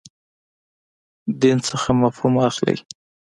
دین څخه مفهوم اخلئ.